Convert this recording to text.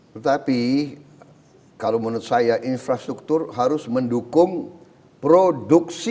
tetapi kalau menurut saya infrastruktur harus mendukung produksi